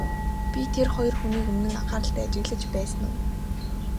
Би тэр хоёр хүнийг өмнө нь анхааралтай ажиглаж байсан уу?